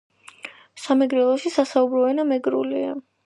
სამეგრელოში სასაუბრო ენა მეგრულია